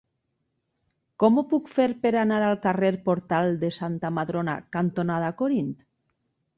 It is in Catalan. Com ho puc fer per anar al carrer Portal de Santa Madrona cantonada Corint?